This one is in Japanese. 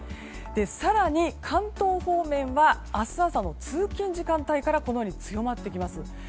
更に、関東方面は明日朝の通勤時間帯からこのように強まってきます。